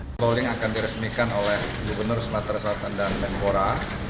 flowling akan diresmikan oleh gubernur sumatera selatan dan menpora